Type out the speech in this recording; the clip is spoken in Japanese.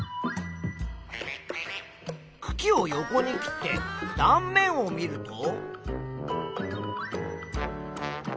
くきを横に切って断面を見ると。